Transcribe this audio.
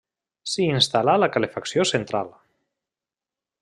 S'hi instal·là la calefacció central.